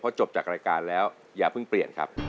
จบจากรายการแล้วอย่าเพิ่งเปลี่ยนครับ